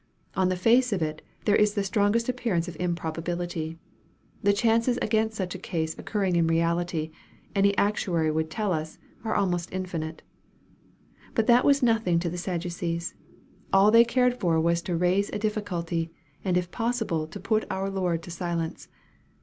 On the face of it there is the strongest appearance of improbability. The chances against such a case occurring in reality, any ac tuary would tell us, are almost infinite. But that was nothing to the Sadducees. All they cared for was to raise a difficulty, and if possible to put our Lord to silence.